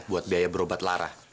buat biaya berobat lara